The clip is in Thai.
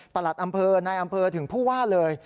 หลัดอำเภอนายอำเภอถึงผู้ว่าเลย